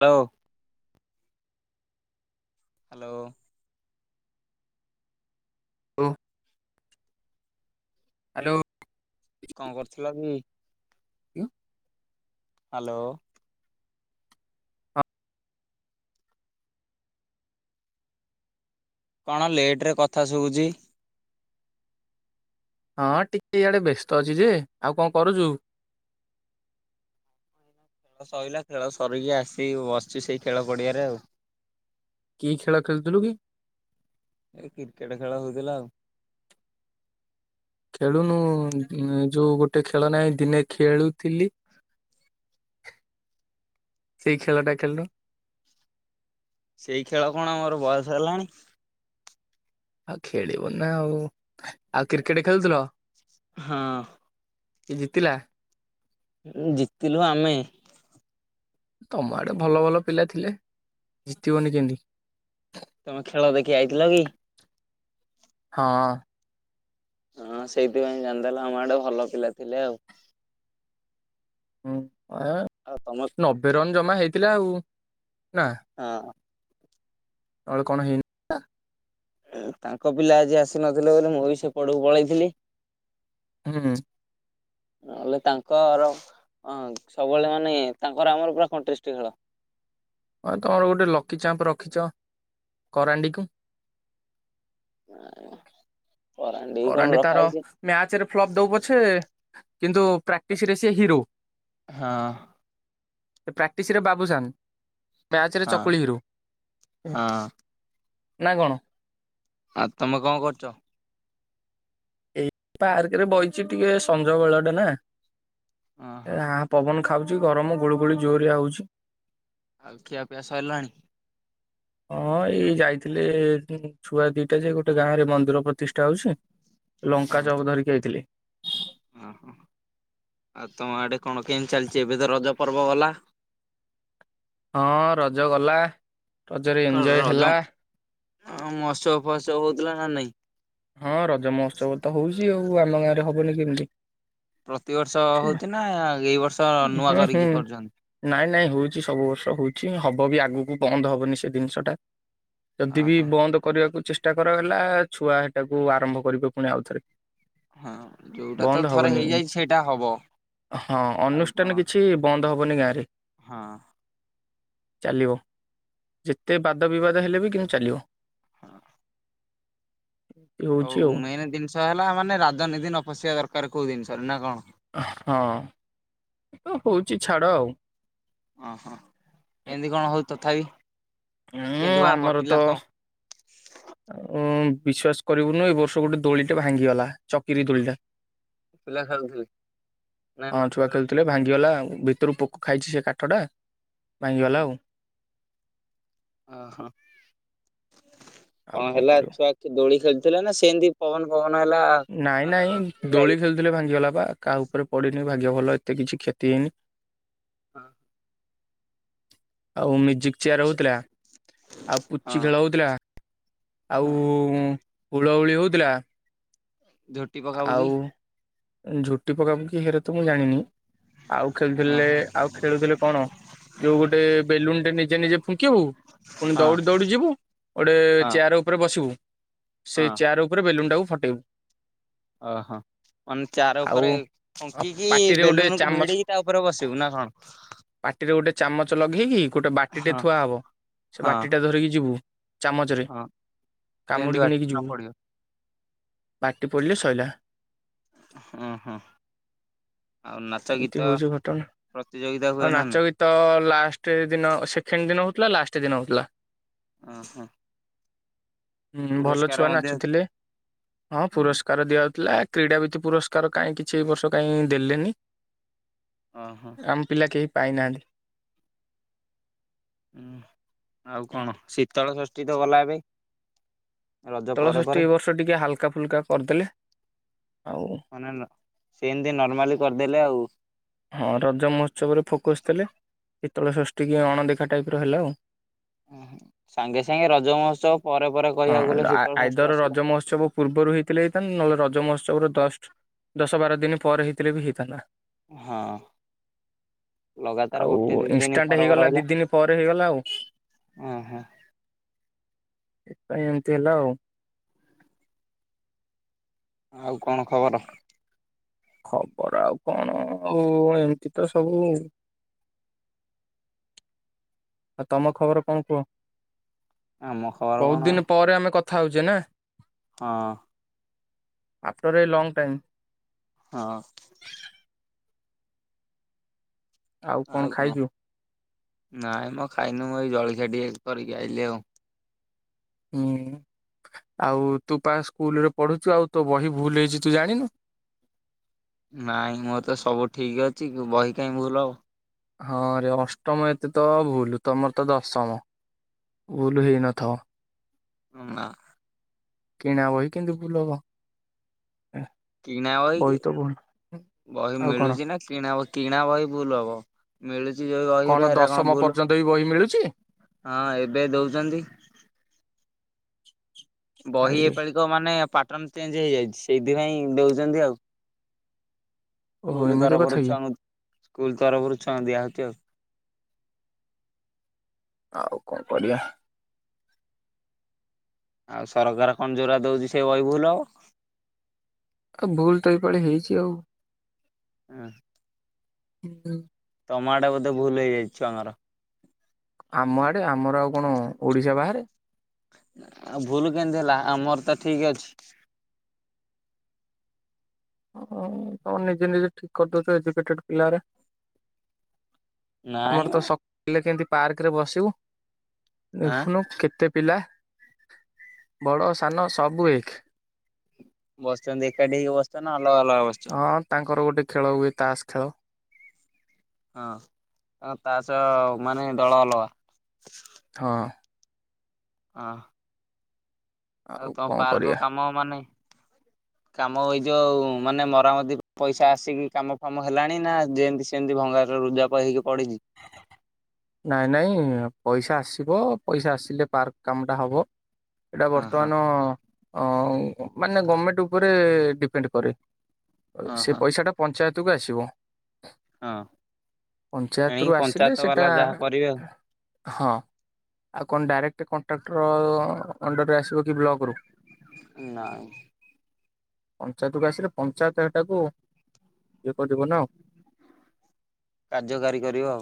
Hello. Hello. ହ hello. କଣ କରୁଥିଲା ବି ଉଁ ହାଲୋ କଣ ଲେଟ ରେ କଥା ଶୁଭୁଛି? ହଁ ଟିକେ ଇଆଡେ ବ୍ୟସ୍ତ ଅଛି ଯେ ଆଉ କଣ କରୁଚୁ? [unintelligible] ଖେଳ ସରିଲା ଖେଳ ସରିକି ଆସି ବସିଛି ସେଇ ଖେଳ ପଡିଆରେ ଆଉ। କି ଖେଳ ଖେଳୁ ଥିଲୁ କି? ଏ କ୍ରିକେଟ ଖେଳ ହଉଥିଲା ଆଉ। ଖେଳୁନୁ ଉଁ ଯୋଉ ଗୋଟେ ଖେଳ ନାହିଁ ଦିନେ ଖେଳୁଥିଲି [inaudible] ସେଇ ଖେଳ ଟା ଖେଳିନୁ। ସେଇ ଖେଳ କଣ ମୋର ବୟସ ହେଲାଣି। ଆଉ ଖେଳିବ ନା ଆଉ ଆଉ କ୍ରିକେଟ ଖେଳୁଥିଲ? ହଁ। କି ଜିତିଲା? ଜିତିଲୁ ଆମେ। ତମ ଆଡେ ଭଲ ଭଲ ପିଲା ଥିଲେ ଜିତିବନି କେମିତି। ତମେ ଖେଳ ଦେଖି ଆଇଥିଲ କି? ହଁ। ହଁ ସେଇଥିପାଇଁ ଜାଣିଦେଲ ଆମ ଆଡେ ଭଲ ପିଲା ଥିଲେ ଆଉ। ହୁଁ ଏ ଆଉ ତମ ନବେ ରନ ଜମା ହେଇଥିଲା ଆଉ। ହଁ। ଅଳ କଣ ହିନ [unintelligible] ଇଁ ତାଙ୍କ ପିଲା ଆଜି ଆସି ନଥିଲେ ବୋଲି ମୁଁ ବି ସେ ପଟକୁ ପଳେଇଥିଲି। ହୁଁ। ନହେଲେ ତାଙ୍କ ର ହଁ ସବୁବେଳେ ମାନେ ତାଙ୍କର ଆମର ପୁରା କଂଟେଷ୍ଟ ଖେଳ। ହଁ ତମର ଗୋଟେ ଲକିଚାମ୍ପ ରଖିଛ କରାଣ୍ଡିକୁ। [unintelligible] କଣ କରାଣ୍ଡୀ ରଖା ତାର ହେଇଛି ମ୍ୟାଚରେ ଫ୍ଲପ ଦଉ ପଛେ କିନ୍ତୁ ପ୍ରାକ୍ଟିସ ରେ ସିଏ ହିରୋ। ହଁ ଏ ପ୍ରାକ୍ଟିସରେ ବାବୁସାନ୍। ମ୍ୟାଚ୍ ରେ ହଁ ଚକୁଳି ହିରୁ, ହଁ ନା କଣ? ଆଉ ତୋମେ କଣ କରୁଚ? ପାର୍କ ରେ ବଇଚି ଟିକେ ସଞ୍ଜ ବେଳ ଟା ନା ହଁ ହଁ ଆ, ପବନ ଖାଉଚି ଗରମ ଗୁଳୁ ଗୁଳି ଜୋରରେ ଆଉଚି। ଆଉ ଖିଆ ପିଆ ସରଲାଣି? ହଁ ଏଇ ଯାଇଥିଲେ ଛୁଆ ଦିଟା ଯେ ଗୋଟେ ଗାଁ ରେ ମନ୍ଦିର ପ୍ରତିଷ୍ଠା ହଉଛି। ଲଙ୍କା ଚପ୍ ଧରିକି ଆଇଥିଲେ। ଓ ହଁ ଆଉ ତୋମ ଆଡେ କଣ କେମିତି ଚାଲିଚି? ଏବେ ତ ରଜ ପର୍ବ ଗଲା। ହଁ ରଜ ଗଲା। ରଜରେ ଏନଜୟ ହେଲା। ଅଁ, ମହୋତ୍ସବ ଫୋସବ ହଉଥିଲା ନା ନାଇଁ? ହଁ ରଜ ମହୋତ୍ସବ ତ ହଉଚି ଆଉ। ଆମ ଗାଁ ରେ ହବନି କେମିତି। ପ୍ରତିବର୍ଷ ହୁଁ ହଉଚି ନା? ଏଇ ବର୍ଷ ନୂଆ ହୁଁ କରିକି କରୁଚନ୍ତି? ନାଇଁ ନାଇଁ ହଉଚି। ସବୁ ବର୍ଷ ହଉଚି। ହ ବ ବି ଆଗକୁ ବନ୍ଦ ହବନି ସେ ଦିନିଷ ଟା। ଯଦି ବି ଅହଁ ବନ୍ଦ କରିବାକୁ ଚେଷ୍ ଟା କରାଗଲା। ଛୁଆ ସେଟାକୁ ଆରମ୍ଭ କରିବେ ପୁଣି ଆଉଥରେ। ହଁ ଯୋଉଟା ତ ବନ୍ଦ ଥରେ ହବନି ହେଇଯାଇଛି ସେଇଟା ହବ। ହଁ ଆଉ କଣ ଅନୁଷ୍ଠାନ କିଛି ବନ୍ଦ ହବନି ଗାଁରେ। ହଁ। ଚାଲିବ ଯେତେ ବାଦ ବିବାଦ ହେଲେ ବି କିନ୍ତୁ ଚାଲିବ। ହଁ। ଏ ହଉଛି ଆଉ ମେନ୍ ଦିନିଷ ହେଲା ମାନେ ରାଜନିତି ନ ପଶିବା ଦରକାର କୋଉ ଦନିଷର ନା କଣ? ହଁ ଏ ହଉଚି ଛାଡ ଆଉ ଅଁ, ହଁ କେମିତି କଣ ହଉ ତଥାପି? ହୁଁ କେମତି କଣ କରଥିଲା ତ? ଆଉଁ ବିଶ୍ଵାସ କରିବୁନୁ ଏଇ ବର୍ଷ ଗୋଟେ ଦୋଳି ଟେ ଭାଙ୍ଗିଗଲା। ଚକିରି ଦୋଳିଟା। ପିଲା ଖେଳୁଥିଲେ? ନା ନ ହଁ ଛୁଆ ଖେଳୁଥିଲେ ଖେଳୁନଥିଲେ ଭାଙ୍ଗିଗଲା ଆଉ ଭିତରୁ ପୁ ଖାଇଛି ସେ କାଠଟା ଓହୋ ଭାଙ୍ଗିଗଲା ଆଉ। ଓହୋ ଆଉ କଣ କଣ ହେଲା କରିବୁ। ଛୁଆ ଏଠି ଦୋଳି ଖେଳୁଥୁ ଥିଲା ନା ସେମିତି ପବନ ଫବନ ହେଲା ନାଇଁ ହଁ ନାଇଁ ଲାଗି ଦୋଳି ଖେଳୁଥିଲେ ଭାଙ୍ଗିଗଲା ପା କାହା ଉପରେ ପଡିନି। ଭାଗ୍ୟ ଭଲ ଏତେ କିଛି କ୍ଷତି ହେଇନି। ହଁ। ଆଉ ମିଜ୍ ଜିକଚିଆାର ହଉଥିଲା। ଆଉ ପୁଚି ହଁ ଖେଳ ହଉଥିଲା। ଆଉ ହଁ ହୁଳହୁଳି ହଉଥିଲା। ଝୋଟି ପକାପୁକି ଝୁଟି ପକାପୁକି ହେରେ ତ ମୁଁ ଜାଣିନି। ଆଉ ହଁ ଖେଳୁଥିଲେ ହଁ ଆଉ ଖେଳୁଥିଲେ କଣ? ଯୋଉ ଗୋଟେ ବେଲୁନ୍ ଟେ ନିଜେ ନିଜେ ଫୁଙ୍କିିବୁ। ପୁଣି ହଁ ଦୌଡ଼ି ଦୌଡ଼ି ଯିବୁ ଗୋଟେ ହଁ ଚେୟାର ଉପରେ ବସିବୁ। ସେ ହଁ ଚେୟାର ଉପରେ ବେଲୁନ୍ ଟାକୁ ଫଟେଇବୁ। ଓହୋ! ମାନେ ଚାର ଆଉ ଉପରେ ଫୁଙ୍କିକି ପାଟିରେ ଗୋଟେ ବେଲୁନ୍ କୁୁ ଚାମଚ ଭିଡିକି ତା ଉପରେ ବସିବୁ। ନା କଣ? ପାଟିରେ ଗୋଟେ ଚାମଚ ଲଗେଇକି ଗୋଟେ ବାଟିଟେ ହଁ ଥୁଆ ହବ। ସେ ହଁ ବାଟିଟା ଧରିକି ଯିବୁ। ଚାମଚରେ ହଁ ଯେମିତି କାମୁଡ଼ିକି ବାଟରେ ନେଇକି ନ ଯିବୁ। ପଡିବ ପାଟି ପୋଡିଲେ ସଇଲା। ହଁ, ହଁ। ଆଉ ନାଚ ଗୀତ ଏମିତି ହଉଚି ଘଟଣା। ପ୍ରତିଯୋଗିତା ହୁଏ ଆଉ ନା ନାଇଁ ନାଚ ଗୀତ ଲା ଲାଷ୍ଟ [unintelligible] ଦିନ ସେକେଣ୍ଡ ଦିନ ହୋଉଥିଲା, ଲାଷ୍ଟ ଦିନ ହୋଉଥିଲା ହ ହ ହୁଁ ଭଲ ଛୁଆ ନାଚୁଥିଲେ। ପୁରସ୍କାର ଦିଆଯାଉଥିଲା କ୍ରୀଡ଼ାବିତ୍ତି ପୁରସ୍କାର କାହିଁ କିଛି ଏଇ ବର୍ଷ କାହିଁ ଦେଲେନି। ଓହୋ ଆମ ପିଲା କେହି ପାଇନାହାନ୍ତି। ଆଉ ଶୀତଳ କଣ ଶୀତଳ ଷଷ୍ଠୀ ତ ଗଲା ଏବେ ରଜ ପରେ ଶୀତଳଷଷ୍ଠି ପରେ ଏଇ ବର୍ଷ ଟିକେ ହାଲକା ଫୁଲକା କରିଦେଲେ ଆଉ ମାନେ ସେ ଏମିତି ନର୍ମାଲି କରିଦେଲେ ଆଉ ହଁ ରଜ ମହୋତ୍ସବରେ ଫୋକସ ଦେଲେ, ଶୀତଳ ଷଷ୍ଠୀ କି ଅଣଦେଖା ଟାଇପ ର ହେଲା ଆଉ [inaudible] ସାଙ୍ଗେ ସାଙ୍ଗେ ରଜ ମହୋତ୍ସବ ପରେ ପରେ ହଁ କହିବାକୁ ଗଲେ ଆ- ଶୀତଳ ଆଇଦର ଷଷ୍ଠୀ ରଜ ଆସିଲା। ମହୋତ୍ସବ [unintelligible] ହେଇଥାନ୍ତା ନହେଲେ ରଜ ମହୋତ୍ସବ ର ଜଷ୍ଟ ଦଶ ବାର ଦିନ ପରେ ହେଇଥିଲେ ବି ହେଇଥାନ୍ତା ହଁ ଲଗାତାର ଆଉ ଗୋଟେ ଦି ଦିନ ଇନଷ୍ଟାଣ୍ଟ ଫରକ ହେଇଗଲା ଦି ରହିଲା। ଦିନ ପରେ ହେଇଗଲା ଆଉ ଓ ହୋ ଏମିତି ହେଲା ଆଉ ଆଉ କଣ ଖବର? ଖବର ଆଉ କଣ ଆଉ ଏମତି ତ ସବୁ ଆଉ ତମ ଖବର କଣ କୁହ? ଆମ ଖବର କଣ ବହୁତ ଦିନ ପରେ ଆମେ କଥା ଥାଉଜେ [unintelligible] ନାଁ ହଁ ଆଫଟର ଏ ଲଙ୍ଗ ଟାଇମ୍ ହଁ ଆଉ କଣ? ନାଇଁମ ଖାଇନୁ, ମୁଁ ଏଇ ଜଳିଖିଆ ଟିକେ କରିକି ଆଇଲିି ଆଉ ହୁଁ। ଆଉ ତୁ ପା ସ୍କୁଲରେ ପଢୁଛୁ ଆଉ ତୋ ବହି ଭୁଲ ହେଇଛି ତୁ ଜାଣିନୁ। ନାଇଁ ମୋର ତ ସବୁ ଠିକ ଅଛି, ବହି କାହିଁ ଭୁଲ ହବ ହଁରେ ଅଷ୍ଟମ ଏତେ ତ ଭୁଲ, ତମର ତ ଦଶମ ଭୁଲ ହେଇ ନଥାଉ। ନା। କିଣା ବହି [unintelligible] ଭୁଲ ହବ? ଏ, କିଣା ବହି କି, ତ ଭୁଲ ବହି ଆଉ କଣ ମିଳୁଚି ନା, କିଣା ବହି, କିଣା ବହି ଭୁଲ ହବ। ମିଳୁଛି ଯୋଉ ବହିର କଣ ହେରା ଦଶମ ଭୁଲ ପର୍ଯ୍ୟନ୍ତ ବି ବହି ମିଳୁ ହଁ ଏବେ ଦେଉଛନ୍ତି। [inaudible] ବହି ଭାଇରେ ଏପାଳିକ ମାନେ ପା ଚେଞ୍ଜ ହେଇଯାଇଛି ସେଇଥିପାଇଁ ଦଉଚନ୍ତି ଆଉ ଓହୋ ସ୍କୁଲ ଏମିତି କଥା ତରଫରୁ କି? ଛୁଆ ସ୍କୁଲ ତରଫରୁ ଛୁଆଁ ଦିଆହୋଉଛି ଆଉ ଆଉ କଣ କରିବା? ଆଉ ସରକାର କଣ ଜୋରା ଦଉଛି ସେ ବହି ଭୁଲ ହବ। ଆଉ ଭୁଲ ତ ଏଇଭଳି ହେଇଛି ଆଉ। ହୁଁ। ହୁଁ। ଟମାଟୋ ବୋଧେ ଭୁଲ ହେଇଯାଇଛ ଆମର ଆମ ଆଡେ, ଆମର ଆଉ କଣ ଓଡିଶା ବାହାରେ? ଆଉ ଭୁଲ କେମିତି ହେଲା ଆମର ତ ଠିକ ଅଛି। ତମ ନିଜେ ନିଜେ ଠିକ କରିଦଉଛ ଏଜୁକେଟେଡ ପିଲାରେ ନାଇଁ ଆମର ମ ତ ସକାଳେ କେମିତି ପାର୍କରେ ବସିବୁ, ଆଁ ଦେଖୁନୁ କେତେ ପିଲା ବଡ଼ ସାନ ସବୁ ଏକ ବସ ଏକାଠିକି ବସ୍ଛ ନା ଅଲଗ ଅଲଗା ବସଛ? ହଁ ତାଙ୍କର ଗୋଟେ ଖେଳ ହୁଏ ତାସ ଖେଳ। ହଁ କ ତା ସହ ମାନେ ଦଳ ଅଲଗା ହଁ। ହଁ। ଆଉ ତମ କଣ ପାର୍କ କରିବା କାମ ମେ କାମ ଏଇ ଯୋଉ ମାନେ ମରାମତି ପଇସା ଆସିକି କାମ ଫାମ ହେଲାଣି ନା ଯେମିତି ସେମିତି ଭଙ୍ଗା [unintelligible] ନାଇଁ ନାଇଁ ପଇସା ଆସି ଥିବ ପଇସା ଆସିଲେ ପାର୍କ କାମଟା ହବ ଏଇଟା ଓହୋ ବର୍ତ୍ତମାନ। ମାନେ ଗଭର୍ଣମେଣ୍ଟ ଉପରେ ଡିପେଣ୍ଡ କରେ ସେ ଓହୋ। ହଁ ପଇସାଟା ପଞ୍ଚାୟତ। ଆସିବ ହଁ ପାୟତ ଭିତରୁ ଏଣିକି ଆସିଲେ ପଞ୍ଚାୟତ ସେଟା ବାଲା ଯାହା କରିବେ ଆଉ। ହଁ ଆଉ କଣ ଡାଇରେକ୍ଟ କଣ୍ଟ୍ରାକ୍ଟର ଅଣ୍ଡରରେ ଆସିବକି ବ୍ଲକରୁ। ନାହି। ପଞ୍ଚାୟତକୁ ଆସିଲେ ପଞ୍ଚାୟତ ଏଟାକୁ ଏ କରିଦିବ ନା? କାର୍ଯ୍ୟକାରୀ କର ଆଉ।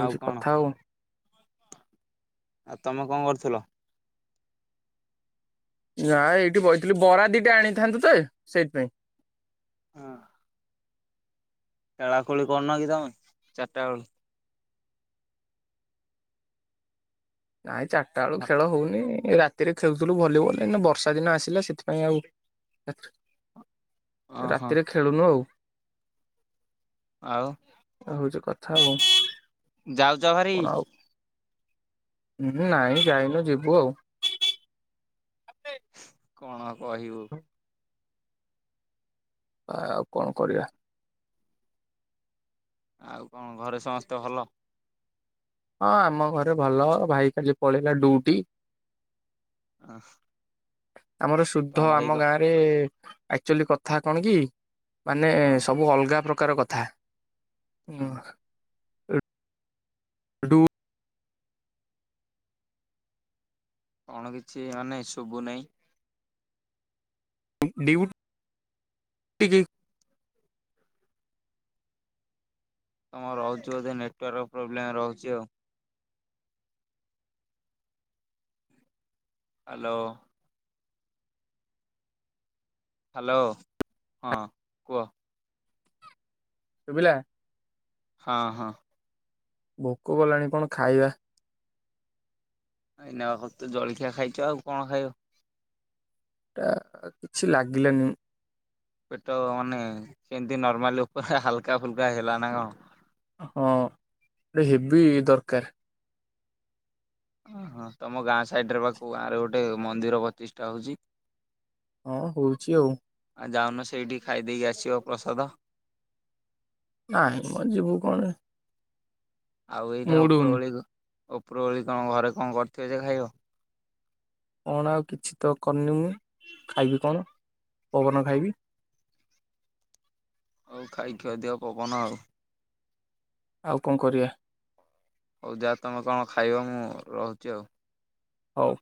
ଆଉ କଣ କଥା ଆଉ। ଆଉ ତମେ କଣ କରୁଥିଲ? ନା ଏଇଠି କହିଥିଲୁ ବରା ଦିଟା ଆଣିଥାନ୍ତୁ ତ ସେଇଥିପାଇଁ। ହଁ। ଖେଳାଖେଳି କରୁନ କି ତମେ ଚାରିଟା ବେଳୁ ନାଇଁ ଚାରିଟା ବେଳୁ ଖେଳ ହଉନି। ରାତିରେ ଖେଳୁଥିଲୁ ଭଲିବଲ ବର୍ଷା ଦିନ ଆସିଲା ସେଥିପାଇଁ ଆଉ। ଓହୋ। ରାତିରେ ଖେଳୁନୁ ଆଉ। ଆଉ ଏ ହଉଛି କଥା ଆଉ ଯାଉଛ ଭାରି ହ ନାଇଁ ଯାଇନୁ ଯିବୁ ଆଉ। କଣ ଆଉ କହିବୁ? ଆଉ କଣ କରିବା? ଆଉ କଣ ଘରେ ସମସ୍ତେ ଭଲ? ହଁ ଆମ ଘରେ ଭଲ ଭାଇ କାଲି ପଳେଇଲା ଡୁଟି ଅ। ଆମର ଶୁଦ୍ଧ ଆମ ଗାଁରେ ଆକ୍ଚୁଆଲି କଥା କଣ କି? ମାନେ କଣ ସବୁ ଅଲଗା ପ୍ରକାର କଥା ହଁ। ଡୁ। କଣ କିଛି ମାନେ ସୁଭୁ ନେଇଁ। ଡିଉଟିକି ତମ ରହୁଚି ବୋଧେ ନେଟୱାର୍କ ପ୍ରୋବ୍ଲେମ ରହୁଛି ଆଉ। ହାଲୋ। ହାଲୋ ହଁ କୁହ। ଶୁବିଲା। ହଁ ହଁ। ଭୋକ କଲାଣି କଣ ଖାଇବା। ଏଇ ନେବା [unintelligible] ତୁ ଜଳଖିଆ ଖାଇଛ ଆଉ କଣ ଖାଇବ? ଟା କିଛି ଲାଗିଲନି। ପେଟ ମାନେ ସେମତି ନର୍ମାଲି ଉପରେ ହାଲକା ଫୁଲକା ହେଲ ନା କ ଣ? ହଁ ଏ [unintelligible] ଟ ହେବି ଦରକାର। ଓ ହଁ ତମ ଗାଁ ସାଇଡରେ ବା ଗାଁ ରେ ଗୋଟେ ମନ୍ଦିର ପ୍ରତିଷ୍ଠା ହଉଛି। ହଁ ହଉଛି ଆଉ। ଆଉ ଯାଉନ ସେଇଠି ଖାଇଦେଇକି ଆସିବ ପ୍ରସାଦ। ନାଇଁ ମ ଯିବୁ କଣ ପାଇଁ। ଆଉ ଏଇନା ଓପ୍ରୋବୋଳି ଓପ୍ରୋବୋଳି ତମ ଘରେ କଁ କରିଥିବେ ଯେ ଖାଇବ। କଣ ଆଉ କିଛି ତ କରନି ମୁଁ ଖାଇବି କଣ? ପବନ ଖାଇବି। ହୋଉ ଖାଇ ଖୁଆ ଦିଅ ପବନ ଆଉ। ଆଉ କଁ କରିବା। ହୋଉ ଯା ତମେ କଁ ଖାଇବ ମୁଁ ରହୁଚି ଆଉ। ହୋଉ।